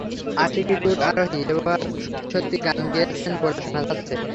আশিকি টুর আরোহী এবার সত্যি সত্যি গান গেয়েছেন বলে শোনা যাচ্ছে।